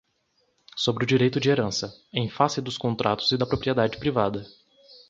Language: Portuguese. Sobre o Direito de Herança, em Face dos Contratos e da Propriedade Privada